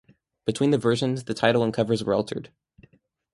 Between the versions, the title and covers were altered.